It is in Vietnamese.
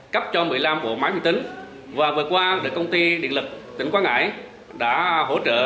cấp cho một mươi năm bộ máy vi tính và vừa qua công ty điện lực tỉnh quảng ngãi đã hỗ trợ